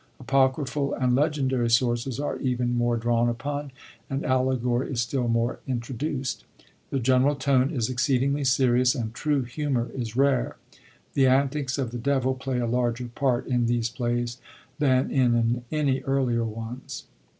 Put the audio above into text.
^ Apocryphal and legendary sources are even more drawn upon, and allegory is still more introduced. The general tone is exceedingly serious, and true humor is rare. The antics of the Devil play a larger part in these plays than in any earlier ones.